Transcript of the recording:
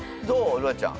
るあちゃん